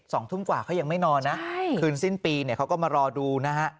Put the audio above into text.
สองทุ่มกว่าเขายังไม่นอนนะคืนสิ้นปีเนี่ยเขาก็มารอดูนะฮะ